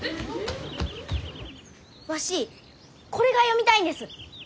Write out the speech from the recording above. わしこれが読みたいんです。